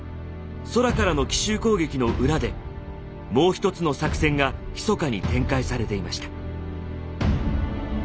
空からの奇襲攻撃の裏でもうひとつの作戦がひそかに展開されていました。